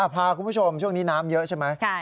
พาคุณผู้ชมช่วงนี้น้ำเยอะใช่ไหม